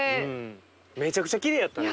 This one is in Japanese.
めちゃくちゃきれいやったね。